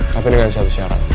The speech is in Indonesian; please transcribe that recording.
tapi dengan satu syarat